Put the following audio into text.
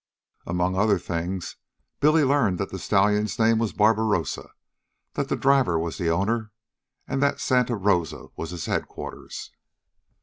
Among other things, Billy learned that the stallion's name was Barbarossa, that the driver was the owner, and that Santa Rosa was his headquarters.